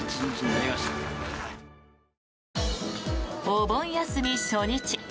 お盆休み初日。